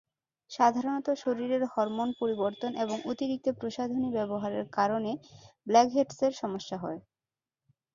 সাধারণত শরীরের হরমোন পরিবর্তন এবং অতিরিক্ত প্রসাধনী ব্যবহারের কারনে ব্ল্যাকহেডসের সমস্যা হয়।